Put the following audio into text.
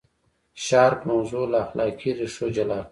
شارپ موضوع له اخلاقي ریښو جلا کړه.